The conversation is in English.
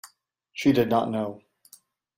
She did not know.